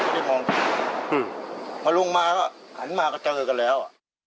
เพราะว่าลงมาขันมาค่ะเจอกันแล้ว